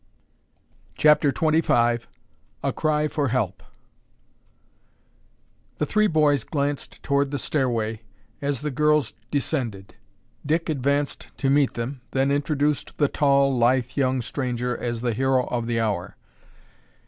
CHAPTER XXV A CRY FOR HELP The three boys glanced toward the stairway as the girls descended. Dick advanced to meet them, then introduced the tall, lithe young stranger as the "hero of the hour."